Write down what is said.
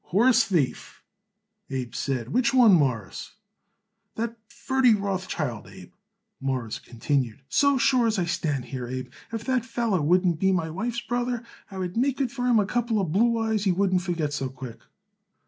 "Horse thief!" Abe said. "Which one, Mawruss?" "That Ferdy Rothschild, Abe," Morris continued. "So sure as I stand here, Abe, if that feller wouldn't be my wife's brother, I would make for him a couple blue eyes he wouldn't forgot so quick."